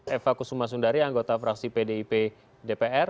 eva kusuma sundari anggota fraksi pdip dpr